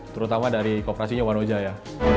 terutama dari kooperasinya wanoja ya